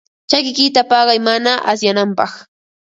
Chakikiyta paqay mana asyananpaq.